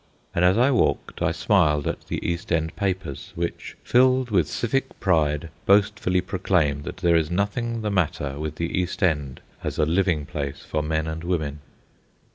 And as I walked I smiled at the East End papers, which, filled with civic pride, boastfully proclaim that there is nothing the matter with the East End as a living place for men and women.